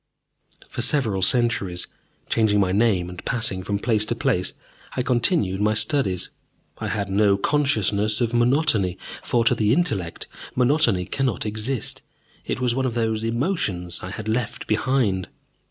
For several centuries, changing my name and passing from place to place, I continued my studies. I had no consciousness of monotony, for, to the intellect, monotony cannot exist: it was one of those emotions I had left behind.